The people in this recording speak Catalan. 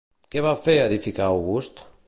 Què va fer edificar August?